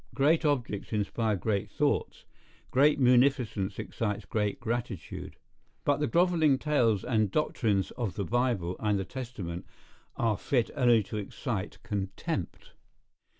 Great objects inspire great thoughts; great munificence excites great gratitude; but the grovelling tales and doctrines of the Bible and the Testament are fit only to excite contempt.